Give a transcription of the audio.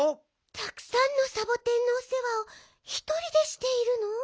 たくさんのサボテンのおせわをひとりでしているの？